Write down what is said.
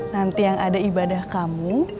nanti yang ada ibadah kamu